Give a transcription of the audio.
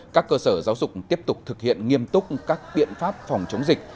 các cơ sở giáo dục tiếp tục thực hiện nghiêm túc các biện pháp phòng chống dịch